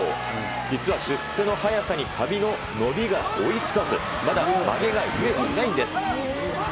実は出世の早さに髪の伸びが追いつかず、まだまげが結えていないんです。